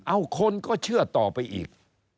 เอาคนก็เชื่อต่อไปอีก